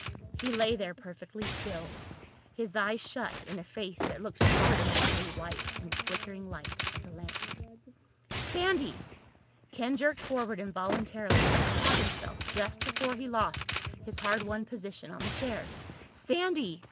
He lay there perfectly still, his eyes shut in a face that looked startlingly white in the flickering light of the lamp. "Sandy!" Ken jerked forward involuntarily but caught himself just before he lost his hard won position on the chair. "Sandy!"